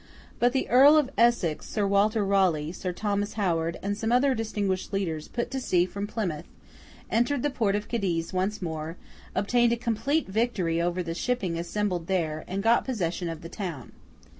But the Earl of Essex, Sir Walter Raleigh, Sir Thomas Howard, and some other distinguished leaders, put to sea from Plymouth, entered the port of Cadiz once more, obtained a complete victory over the shipping assembled there, and got possession of the town.